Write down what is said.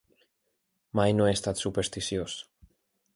Mai no he estat supersticiós.